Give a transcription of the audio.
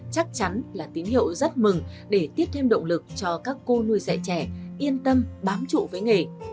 chắc chắn là tín hiệu rất mừng để tiếp thêm động lực cho các cô nuôi dạy trẻ yên tâm bám trụ với nghề